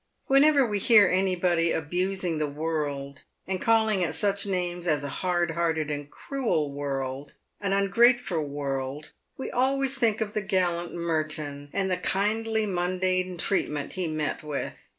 Whenever we hear anybody abusing the world, and calling it such names as a hard hearted and cruel world, an ungrateful world, we always think of the gallant Merton, and the kindly mundane treat ment he met with.